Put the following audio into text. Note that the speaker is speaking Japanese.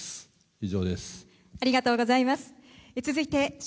以上です。